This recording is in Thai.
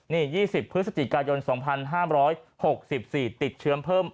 นี่ยี่สิบพฤศจิกายนสองพันห้ามร้อยหกสิบสี่ติดเชื้อเพิ่ม